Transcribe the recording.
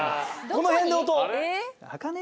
この辺で音。